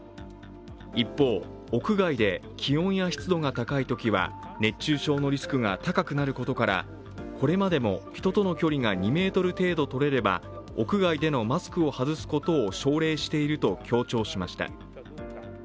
一方、屋外で気温や湿度が高いときは熱中症のリスクが高くなることから、これまでも、人との距離が２ｍ程度とれれば屋外でのマスクを外すことを奨励していると強調しました。